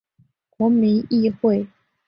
国民议会。